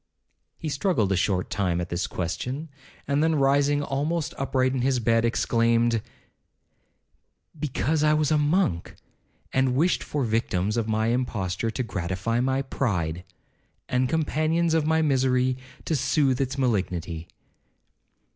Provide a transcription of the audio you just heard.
He struggled a short time at this question, and then rising almost upright in his bed, exclaimed, 'Because I was a monk, and wished for victims of my imposture to gratify my pride! and companions of my misery, to soothe its malignity!'